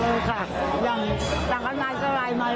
อย่างต่างกับนายเจ้าไลน์มาแล้ว